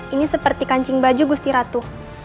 ini seperti kancing baju gusti ratu